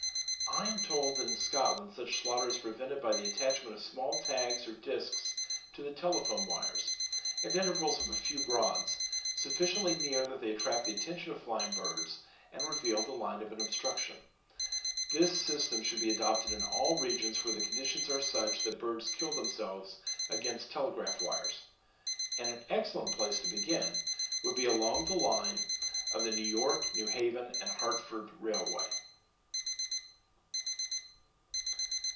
I am told that in Scotland such slaughter is prevented by the attachment of small tags or discs to the telephone wires, at intervals of a few rods, sufficiently near that they attract the attention of flying birds, and reveal the line of an obstruction. This system should be adopted in all regions where the conditions are such that birds kill themselves against telegraph wires, and an excellent place to begin would be along the line of the N.Y., N.H. & H. Railway.